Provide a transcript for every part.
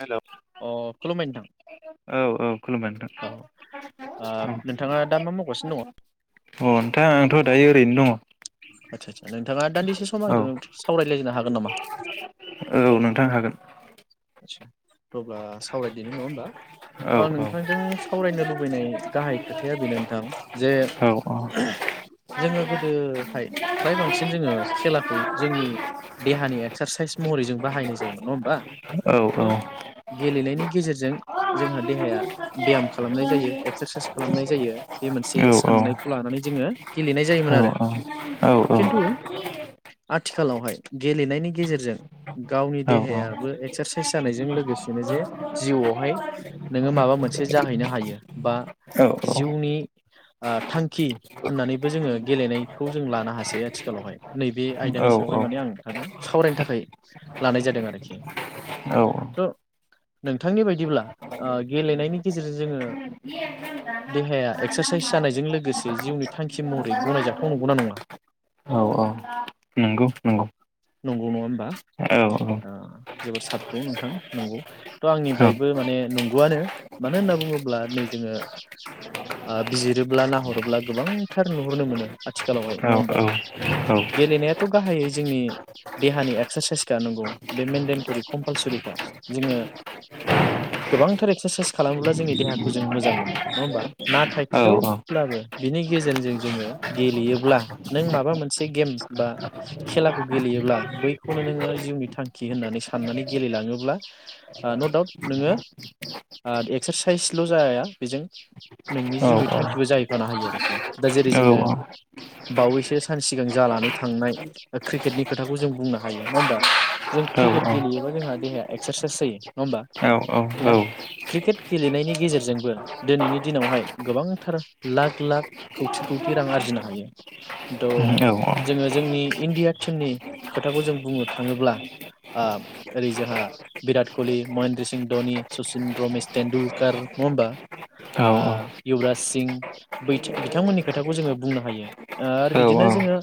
Hello अ खुलुमबाय नोंथां औ औ खुलुमबाय नोंथां औ ओ औ अ नोंथाङा दा मा मावगासिनो दङ नोंथां आंथ' दायो ओरैनो दंङ। आतसा सा नोंथाङा दान्दिसे सम आंजों सावरायलायनो हागोन नामा? औ नोंथां हागोन [unintelligible] सावरायदिनि नङा होमबा? औ त' आं औ नोंथांजों सावरायनो लुबैनाय गाहाय खोथाया बेनो नोंथां जे औ जोङो गोदोहाय फ्राय बांसिन जोङो खेलाखौ जोंनि देहानि एक्सारसाइस महरै जों बाहायनाय जायोमोन नङा होमबा? औ औ। थ' गेलेनायनि गेजेरजों जोंहा देहाया बेयाम खालामनाय जायो एक्सारसाइस खालामनाय जायो। बे मोनसे औ साननायखौ लानानै जोङो गेलेनाय जायोमोन औ आरो औ खिन्थु औ औ। आथिखालावहाय गेलेनायनि गेजेरजों गावनि देहायाबो एक्सारसाइस जानायजों लोगोसेनो जे जिउआवहाय नोङो माबा मोनसे जाहैनो हायो बा जिउनि थांखि होननानैबो जोङो गेलेनायखौ जों लानो हासै आथिखालावहाय नैबे आयदानि सायावहाय औ माने आं नोंथाजों सावरायनो थाखाय लानाय जादों आरोखि औ थ' नोंथांनि बायदिब्ला ओ गेलेनायनि गेजेरजों जोङो देहाया एक्सारसाइस जानायजों लोगोसे जिउनि थांखि महरै गनायजाथाव नंगौना नङा औ नंगौ नंगौ नंगौ नङा होमबा? औ जोबोर साबखौ नोंथां नंगौ थ' औ आंनिफ्रायबो माने नंगौआनो मानो होनना बुङोब्ला नै जोङो ओ बिजिरोब्ला नाहरोब्ला गोबांथार नुहरनो मोनो आथिखालावहाय औ नङा होमबा औ गेलेनायाथ' गाहायै जोंनि देहानि एक्सारसाइसखा नंगौ बे मेनदे करि कंपूलसरीखा जोंङो गोबांथार एक्सारसाइस खालामोब्ला जोंनि देहाखौ जों मोजां मोनो नङा होमबा नाथाय औ थेवब्लाबो बिनि गेजेरजों जोङो गेलेयोब्ला नों माबा मोनसे गेम बा खेलाखौ गेलेयोब्ला बैखौनो नोंङो जिउनि थांखि होननानै सानो साननानै गेलेलाङोब्ला न' दाउट नोङो एक्सारसाइसल' जाया बेजों नोंनि औ जिउनि थांखिबो जाहैफानो हायो आरोखि [inaudible] दा जेरै औ जोङो औ बावैसो सान सिगां जानानै थांनाय क्रिकेटनि खोथाखौ जों बुंनो हायो नङा होमबा जों क्रिकेट नंगौ गेलेयोबा जोंहा देहाया एक्सारसाइस जायो नङा होमबा नंगौ दा क्रिकेट गेलेनायनि गेजेरजोंबो दिनैनि दिनावहाय गोबांथार लाख लाख खौथि खौथि रां आरजिनो हायो त' जोङो जोंनि इण्डिया टिमनि खोथाखौ जों बुंनो थाङोब्ला ओ ओरै जोंहा भिराट कलि महेन्द्र सिं धनी सचिन रमेश टेनडुलकार नङा होमबा ओ वराज सिं बै बिथांमोननि खोथाखौ जोङो बुंनो हायो आरो बिदिनो जोङो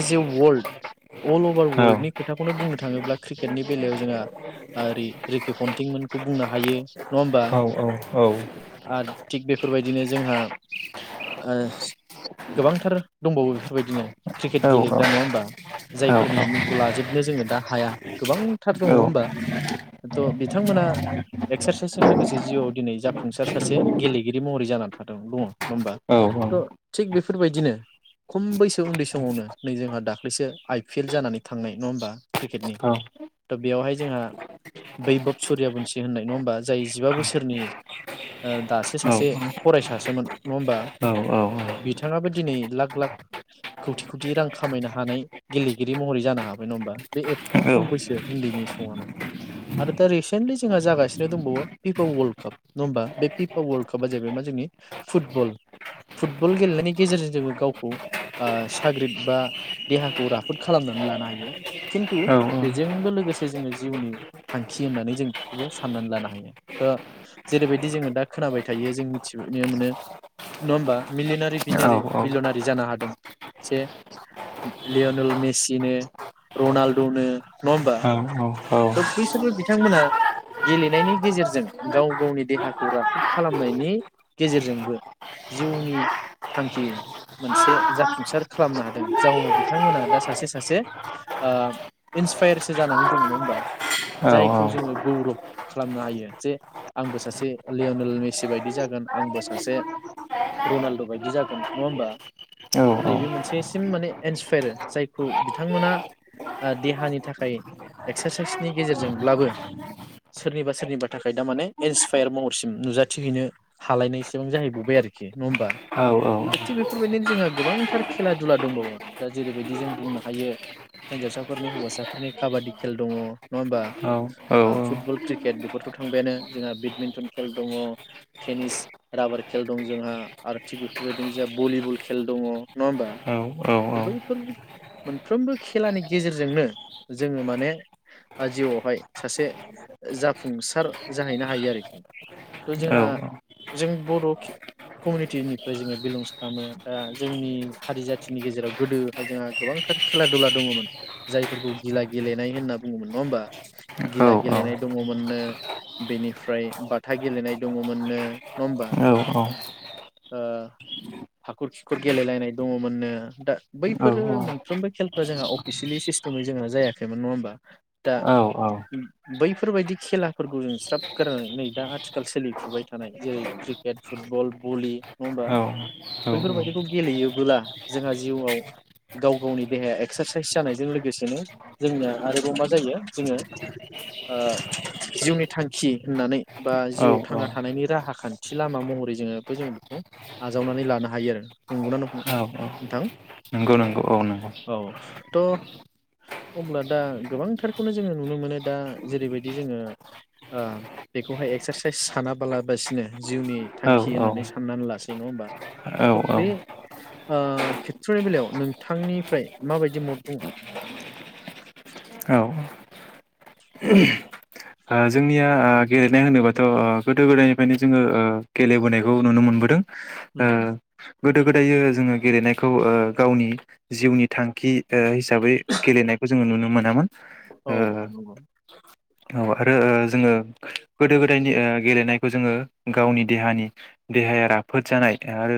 एस ए वर्ल्ल्ड अल अभार वर्ल्डनि खोथाखौनो बुं नो थाङोब्ला क्रिकेटनि बेलायाव जोंहा ओ रिके पन्टिंमोनखौ बुंनो हायो नङा होमबा आरो थिग बेफोरबायदिनो जोंहा ओ गोबांथार दंबावो बेफोरबायदिनो क्रिकेट गेलेग्रा नङा होमबा जायफोरनि मुंखौ लाजोबनो जोङो दा हाया गोबांथार दङ नङा होमबा थ' बिथांमोना एक्सारसाइसजों लोगोसे जिउआव दिनै जाफुंसार सासे गेलेगिरि महरै जानानै थ दङ नङा होमबा थ' थिग बेफोरबायदिनो खम बैसो उन्दै समावनो नै जोंहा दाख्लैसो आइ पि एल जानानै थांनाय नङा होमबा क्रिकेटनि त' बेयावहाय जोंहा बैबब सुरिया बनसि होननाय नङा होमबा जाय जिबा बोसोरनि दासो सासे फरायसासोमोन नङा होमबा बिथाङाबो दिनै लाख लाख कौटि कौटि रां खामायनो हानाय गेलेगिरि महरै जानो हाबाय नङा होमबा बे एफा खम बैसो उन्दैनि समावनो आरो दा रिसेन्टलि जोंहा जागासिनो दंबावो पिपा वर्ल्ड काप नङा होमबा बे पिपा वर्ल्ड कापा जाहैबाय मा जोंनि फुटबल फुटबल गेलेनायनि गेजेरजों जोङो गावखौ ओ साग्रिद बा देहाखौ राफोद खालामनानै लानो हायो खिन्थु बेजोंबो लोगोसे जोङो जिउनि थांखि होननानै जों बेखौबो साननानै लानो हायो थ' जेरैबायदि जोङो दा खोनाबाय थायो जों मिथिनो मोनो नङा होनबा मिलियनारि बिलनारि जानो हादों जे लियनल मेसिनो रनाल्द'नो नङा होमबा थ' बैसोरबो बिथांमोना गेलेनायनि गेजेरजों गाव गावनि देहाखौ राफोद खालामनायनि गेजेरजोंबो जिउनि थांखि मोनसे जाफुंसार खालामनो हादों जाउनाव बिथांमोना दा सासे सासे ओ इन्सपायारसो जानानै दङ नङा होमबा जायखौ जोङो गौरब खालामनो हायो जे आंबो सासे लियनेल मेसि बायदि जागोन आंबो सासे रनाल्द' बायदि जागोन नङा होमबा नैबे मोनसेसिम माने इन्सपायार जायखौ बिथांमोना देहानि थाखाय एक्सारसाइसनि गेजेरजोंब्लाबो सोरनिबा सोरनिबा थाखाय दा माने इन्सपायार महरसिम नुजाथि हैैनो हालायनायसेबां जाहैबावबाय आरोखि नङा होमबा थिग बेफोरबायदिनो जोंहा गोबांथार खेला दुला दंबावो दा जेरैबायदि जों बुंनो हायो हिन्जावसाफोरनि हौवासाफोरनि काबादि खेल दङ नङा होमबा ओ फुटबल क्रिकेट बेफोरथ' थांबायानो जोंहा बेडमिन्टन खेल दङ टेनिस राबार खेल दं जोंहा आरो थिग बेफोरबायदिनो जोंहा भलिबल खेल दङ नङा होमबा त' बैफोर मोनफ्रोमबो खेलानि गेजेरजोंनो जोङो माने जिउआवहाय सासे जाफुंसार जाहैनो हायो आरोखि थ' जोंहा जों बर' कमिउनिटिनिफ्राय जोङो बिलंस खालामो दा जोंनि हारि जाथिनि गेजेराव गोदोहाय जोंहा गोबांथार खेला दुला दङमोन जायफोरखौ गिला गेलेनाय होनना बुङोमोन नङा होमबा गिला गेलेनाय दङमोननो बेनिफ्राय बाथा गेलेनाय दङमोननो नङा होमबा ओ हाखर खिखर गेलेलायनाय दङ मोननो दा बैफोरो सानफ्रोमबो खेलफ्रा जोंहा अफिसियेलि सिस्टेमै जोंहा जायाखैमोन नङा होमबा दा बैफोरबायदि खेलाफोरखौ जों ज्राब गारनानै नै दा आथिखाल सोलिफुबाय थानाय जेरै क्रिकेट फुटबल भलि नङा होमबा बैफोरबायाददिखौ गेलेयोबोला जोंहा जिउआव गाव गावनि देहाया एक्सारसाइस जानायजों लोगोसेनो जोंनिया आरोबाव मा जायो जोङो ओ जिउनि थांखि होननानै बा जिउआव थांना थानायनि राहा खान्थि लामा महरै जोङो जोङो बेखौ आजावनानै लानो हायो आरो नंगौनां नोंथां औ नंगौ औ थ अब्ला दा गोबांथारखौनो जोङो नुनो मोनो दा जेरैबायदि जोङो ओ बेखौहाय एक्सारसाइस सानााबालाबासिनो जिउनि औ थांखि होननानै औ साननानै लासै नङा होमबा औ थ बे ओ खेथ्रनि बेलायाव नों थांनिफ्राय माबायदि मद औ ओ आ जोंनिया आ गेलेनाय होनोबाथ गोदो गोदायनिफ्रायनो जोङो गेलेबोनायखौ नुनो मोनबोदों ओ उम गोदो गोदायो जोङो गेलेनायखौ ओ गावनि जिउनि थांखि ओ हिस हिसाबै गेलेनायखौ जोङो नुनो मोनो नामा औ औ औ औ औ आरो ओ जोङो गोदो गोदायनि गेलेनायखौ जोङो गावनि देहानि देहाया राफोद जानाय आरो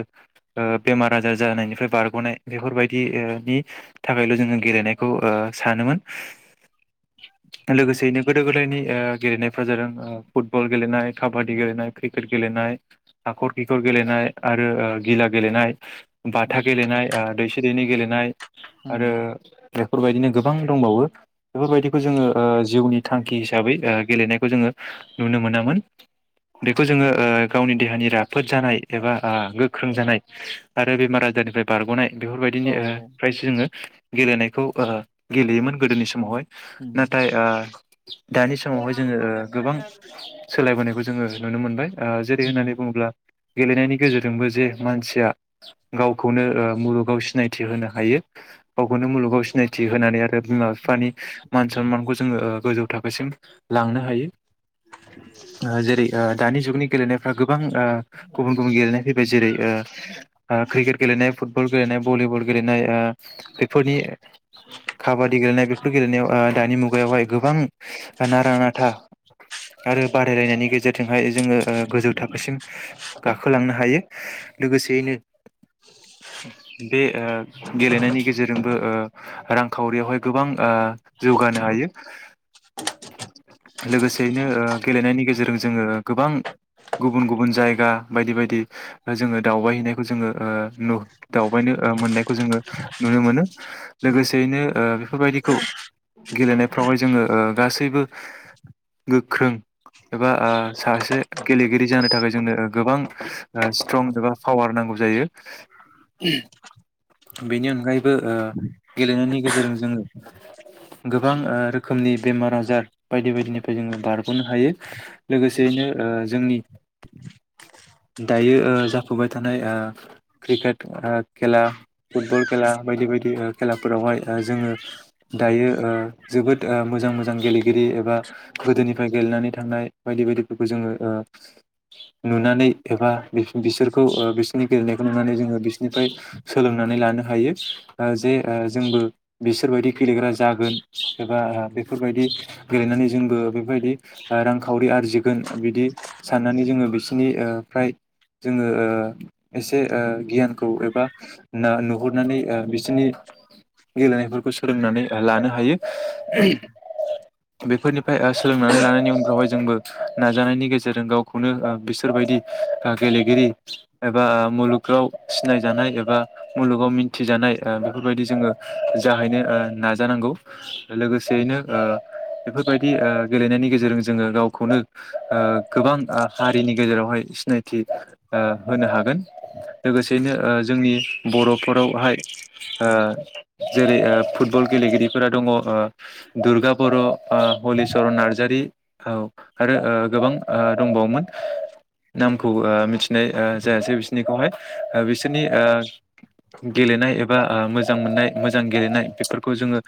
बेमार आजार जानायनिफ्राय बारग'नाय बेफोरबायदिनि थाखायल' जोङो गेलेनायखौ सानोमोन लोगोसेयैनो गोदो गोदायनि ओगेलेनायफ्रा जादों फुटबल गेलेनाय काबादि गेलेनाय क्रिकेट गेलेनाय हाखर खिखर गेलेनाय आरो गिला गेलेनाय बाथा उम गेलेनाय ओ दैसे दैनि गेलेनाय नाय। उम आरो। बेफोरबायदिनो गोबां दंबावो बेफोरबायदिखौ जोङो ओ जिउनि थांखि। हिसाबै ओ गेलेनायखौ जोङो नुनो मोनामोन बेखौ जोङो गावनि देहानि राफोद जानाय एबा गोख्रों जानाय आरो बेमार आजारनिफ्राय बारग'नाय। बेफोरबायदिनो औ ओ प्राइस जोङो गेलेनायखौ ओ गेलेयोमोन गोदोनि समावहाय। उम उम नथाय आ। बेसमावहाय जोङो ओ गोबां सोलायबाय। होबोनायखौ जोङो नुनो मोनबाय। आ जेरै होननानै बुङोब्ला। गेलेनायनि गेजेरजोंबो जे मानसिया गाव खौनो ओ मुलुगाव सिनाय थि होनो हायो। गावखौनो मुलुगाव सिनायथि होनानै आरो बिमा बिफानि मान सनमानखौ जोङो ओ। गोजौ थाखोसिम लांनो हायो आ जेरै आ दानि जुगनि गेलेनाय। आगोग गोबां आ गुबुन गुबुन गेलेनाय फैबाय जेरै आ आ क्रिकेट गेलेनाय फुटबल। फुटबल गेलेनाय भलिबल गेलेनाय आ बेफोरनि खाबादि गेलेनाय बेफोर गेलेनायाव आ दानि मुगायावहाय गोबां नारा नाथा आरो बादायलायनायनि गेजेरजोंहाय जोङो ओ गोजौ थाखो। -सिम गाखोलांनो हायो। लोगोसेयैनो बे ओ गेलेनायनि गेजेरजोंबो ओ रांखावरियावहाय गोबां ओ। जौगानो हायो। लोगोसेयैनो ओ गेलेनायनि गेजेरजों जोङो गोबां गुबुन गुबुन जायगा बायदि बायदि जोङो दावबायहैनायखौ जोङो ओ नुह दावबायनो मोननायखौ जोङो नुनो मोनो, लोगोसेयैनो ओ बेफोरबायदिखौ गेलेनायफ्रावहाय जोङो ओ गासैबो गोख्रों एबा ओ सासे गेलेगिरि जानो थाखाय जोंनो गोबां स्ट्रं एबा पावार नांगौ जायो, बेनि अनगायैबो ओ गेलेनायनि गेजेरजों जोङो गोबां ओ रोखोमनि बेमार आजार बायदि बायदिनिफ्राय जोङो बारगनो हायो, लोगोसेयैनो ओ जोंनि दायो ओ जाफुबाय थानाय ओ क्रिकेट खेला फुटबल खेला बायदि बायदि खेलाफोरावहाय ओ जोङो दायो ओ जोबोद ओ मोजां मोजां गेलेगिरि एबा गोदोनिफ्राय गेलेनानै थांनाय बायदि बायदिफोरखौ जोङो ओ नुनानै एबा बिसोरखौ ओ बिसोरनि गेलेनायखौ नुनानै जोङो बिसोरनिफ्राय सोलोंनानै लानो हायो, ओ जे ओ जोंबो बिसोर बायदि गेलेग्रा जागोन एबा बे बेफोरबायदि गेलेनानै जोंबो बेफोरबायदि रांखावरि आरजिगोन बिदि साननानै जोङो बिसोरनि ओ फ्राय जोङो ओ एसे गियानखौ एबा ना नुहुरनानै बिसोरनि गेलेनायफोरखौ सोलोंनानै लानो हायो। ओम। बेफोरनिफ्राय ओ सोलोंनानै लानायनि उनफ्रावहाय जोंबो, नाजानायनि गेजेरजों गावखौनो ओ बिसोरबायदि ओ गेलेगिरि एबा मुलुगाव सिनायजानाय एबा मुलुगाव मिनथिजानाय ओ बेफोरबायदि जोङो जाहैनो ओ नाजानांगौ लोगोसेयैनो। ओ बेफोरबायदि ओ गेलेनायनि गेजेरजों जोङो गावखौनो ओ गोबां हा हारिनि गेजेरावहाय सिनायथि ओ होनो हागोन, लोगोसेयैनो ओ जोंनि बरफोरावहाय ओ जेरै ओ फुटबल गेलेगिरिफोरा दङ ओ दुर्गा बर ओ हलिचरन नार्जारि औ आरो ओ गोबां ओ दंबावोमोन नामखौ ओ मिथिनाय ओ जायासै बिसोरनिखौहाय ओ बिसोरनि ओ गेलेनाय एबा मोजां मोननाय मोजां गेलेनाय बेफोरखौ जोङो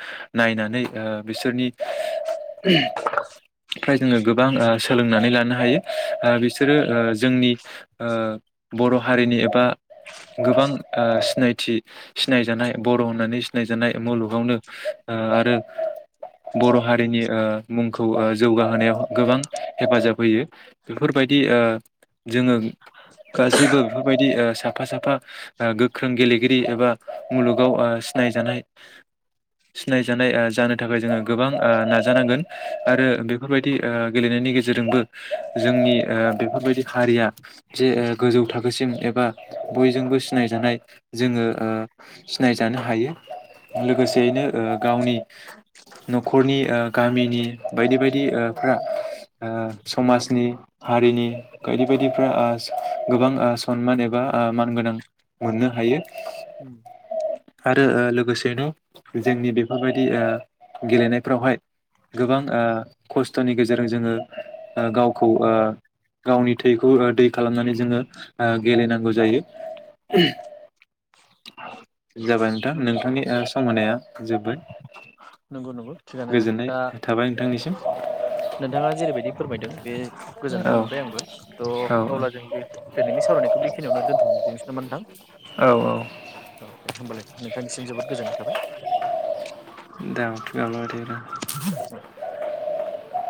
नायनानै ओ बिसोरनिफ्राय जोङो गोबां ओ सोलोंनानै लानो हायो, ओ बिसोरो ओ जोंनि ओ बर हारिनि एबा गोबां ओ सिनायथि सिनायजानाय बर होननानै सिनायजानाय मुलुगावनो ओ आरो बर हारिनि ओ मुंखौ ओ जौगाहोनायाव गोबां हेफाजाब होयो, बेफोरबायदि ओ जोङो गासैबो बेफोरबायदि ओ साफा साफा ओ गोख्रों गेलेगिरि एबा मुलुगाव ओ सिनायजानाय सिनायजानाय ओ जानो थाखाय जोङो गोबां नाजानांगोन आरो बेफोरबायदि ओ गेलेनायनि गेजेरजोंबो जोंनि ओ बेफोरबायदि हारिया जे ओ गोजौ थाखोसिम एबा बयजोंबो सिनायजानाय जोङो ओ सिनायजानो हायो लोगोसेयैनो ओ गावनि न'खरनि ओ गामिनि बायदि बायदि ओ फ्रा ओ समाजनि हारिनि बायदि बायदिफ्रा ओ गोबां ओ सनमान एबा मानगोनां मोननो हायो। उम आरो ओ लोगोसेनो जोंनि बेफोरबायदि ओ गेलेनायफ्रावहाय गोबां ओ खस्थनि गेजेरजों जोङो ओ गावखौ ओ गावनि थैखौ दै खालामनानै जोङो ओ गेलेनांगौ जायो। जाबाय नोंथां नंगौ नोंथांनि ओ सम होनाया जोबबाय। नोंगौ नोंगौ थिगानो दा नोंथांनिसिम औ नोंथाङा जेरैबायदि फोरमायदों बे गोजोननाय औ मोनबाय आंबो औ थ' अब्ला जों बे दिनैनि सावरायनायखौ बेखिनियावनो दोनथनोसै नामा नोंथां? औ औ दे होमबालाय नोंथांनिसिम जोबोद गोजोननाय थाबाय। [unintelligible]